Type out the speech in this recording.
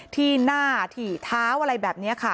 ที่หน้าถี่เท้าอะไรแบบนี้ค่ะ